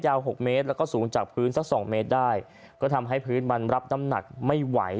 หกเมตรแล้วก็สูงจากพื้นสักสองเมตรได้ก็ทำให้พื้นมันรับน้ำหนักไม่ไหว